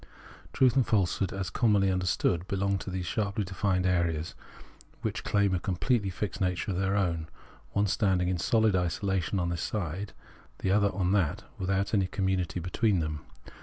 Truth and falsehood as commonly understood belong to those sharply defined ideas which claim a completely fixed nature of their own, one standing in sohd isolation on this side, the other on that, without any community between them.